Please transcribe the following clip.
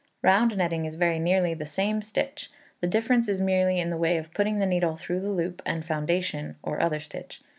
Round Netting is very nearly the same stitch. The difference is merely in the way of putting the needle through the loop and foundation, or other stitch.